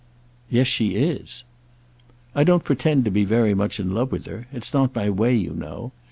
"Yes, she is." "I don't pretend to be very much in love with her. It's not my way, you know.